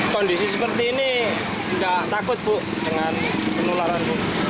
kondisi seperti ini nggak takut bu dengan penularan